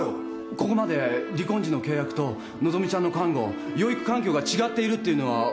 ここまで離婚時の契約と和希ちゃんの監護養育環境が違っているっていうのは大きいですよね？